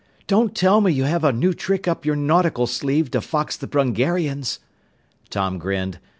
"Don't tell me you have a new trick up your nautical sleeve to fox the Brungarians?" Tom grinned.